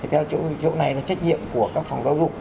theo chỗ này là trách nhiệm của các phòng giáo dục